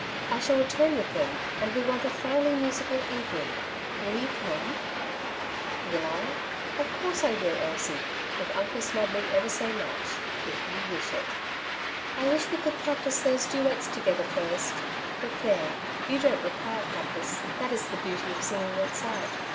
I shall return with them, and we want a thoroughly musical evening ; will you come V^ it 6o " Two Sides to every Question^ ^^ Will I ? of course I will, Elsie, if uncle snub me ever so mucli, if you wish it." ^^I wish we could practise those duets together first; but there, you don't require practice, that is the beauty of singing at sight.